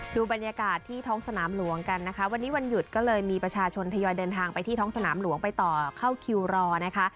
ดูบรรยากาศที่ท้องสนามหลวงกันนะคะวันนี้วันหยุดก็เลยมีประชาชนทยอยเดินทางไปที่ท้องสนามหลวงไปต่อเข้าคิวรอนะคะ